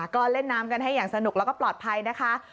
ก็เล่นน้ำกันให้อย่างสนุกแล้วก็ปลอดภัยนะคะ